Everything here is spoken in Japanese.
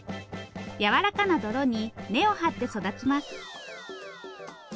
やわらかな泥に根を張って育ちます。